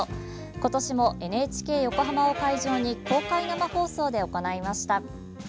今年も、ＮＨＫ横浜を会場に公開生放送で行いました。